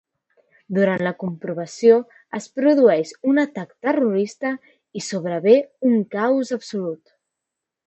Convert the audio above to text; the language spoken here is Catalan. Durant la comprovació, es produeix un atac terrorista i sobrevé un caos absolut.